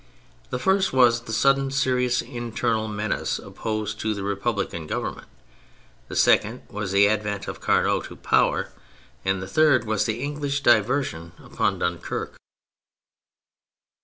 The first was the sudden serious internal menace opposed to the Republican Govern ment; the second was the advent of Carnot to power; the third was the English diversion upon Dunquerque.